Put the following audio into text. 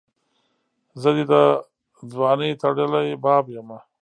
زه دي دځوانۍ ټړلي باب یمه